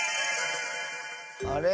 あれ？